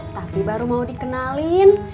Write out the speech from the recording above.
tapi baru mau dikenalin